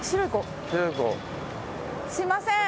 すみません。